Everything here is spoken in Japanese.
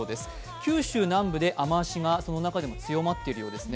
九州南部で雨足が、その中でも強まっているようですね。